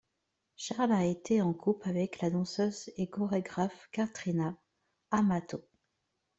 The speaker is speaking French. Charles a été en couple avec la danseuse et chorégraphe, Katrina Amato.